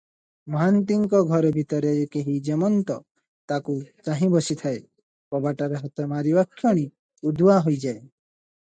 ମହାନ୍ତିଙ୍କ ଘର ଭିତରେ କେହି ଯେମନ୍ତ ତାକୁ ଚାହିଁ ବସିଥାଏ, କବାଟରେ ହାତ ମାରିବାକ୍ଷଣି ଉଦୁଆଁ ହୋଇଯାଏ ।